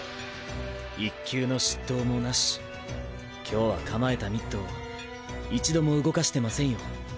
一球の失投も無し今日は構えたミットを一度も動かしてませんよ。